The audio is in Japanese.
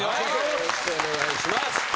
よろしくお願いします。